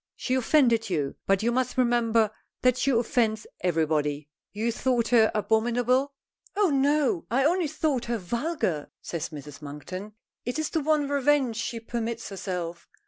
She offended you, but you must remember that she offends everybody. You thought her abominable?" "Oh no. I only thought her vulgar," says Mrs. Monkton. It is the one revenge she permits herself.